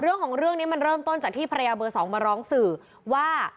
เรื่องของเรื่องนี้มันเริ่มต้นจากที่ภรรยาเบอร์๒มาร้องสื่อว่า